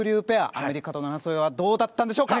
アメリカとの争いはどうだったんでしょうか。